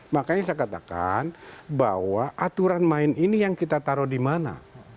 makanya saya katakan bahwa aturan main ini yang kita taruh di mana